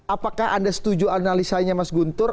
apakah anda setuju analisanya mas guntur